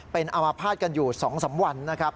เป็นอามภาษณ์กันอยู่๒๓วันนะครับ